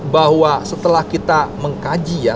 bahwa setelah kita mengkaji ya